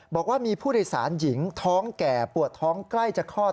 บอกว่ามีผู้โดยสารหญิงท้องแก่ปวดท้องใกล้จะคลอด